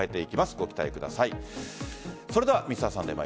ご期待ください。